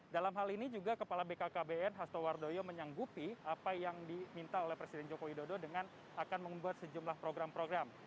dalam hal ini juga bkkbn hastowardoyo menyanggupi apa yang diminta oleh presiden jokowi dodo dengan akan membuat sejumlah program program